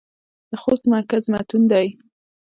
د خوست مرکز متون دى.